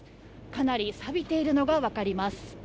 かなりさびているのが分かります。